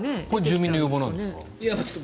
これは住民の要望なんですか？